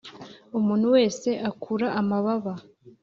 umuntu wese akura amababa.